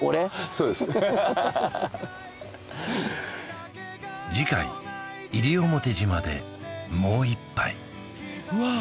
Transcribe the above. そうです次回西表島でもう一杯うわ